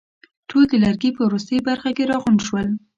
ټول د لرګي په وروستۍ برخه کې راغونډ شول.